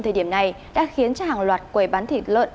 thời điểm này đã khiến cho hàng loạt quầy bán thịt lợn